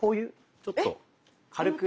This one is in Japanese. ちょっと軽く。